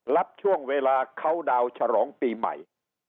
รับช่วงเวลาเขาดาวนฉลองปีใหม่